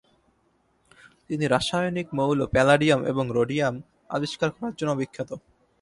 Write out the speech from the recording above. তিনি রাসায়নিক মৌল প্যালাডিয়াম এবং রোডিয়াম আবিষ্কার করার জন্য বিখ্যাত।